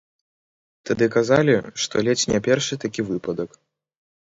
Тады казалі, што ледзь не першы такі выпадак.